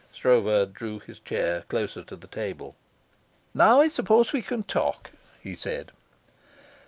Stroeve drew his chair closer to the table. "Now I suppose we can talk," he said.